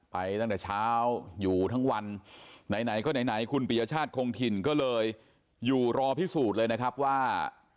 ไปตั้งแต่เช้าอยู่ทั้งวันไหนไหนก็ไหนคุณปียชาติคงถิ่นก็เลยอยู่รอพิสูจน์เลยนะครับว่า